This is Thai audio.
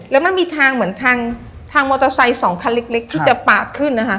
แล้วมันมีทางเหมือนทางทางมอเตอร์ไซค์๒ทางเล็กที่จะปาดขึ้น